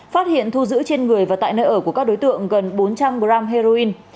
phát hiện thu giữ trên người và tại nơi ở của các đối tượng gần bốn trăm linh g heroin